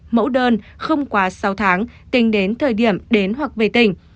mẫu đơn không quá sáu tháng tính đến thời điểm đến hoặc về tỉnh